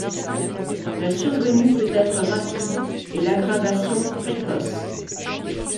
La survenue peut être rapide et l'aggravation précoce.